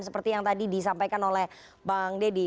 seperti yang tadi disampaikan oleh bang deddy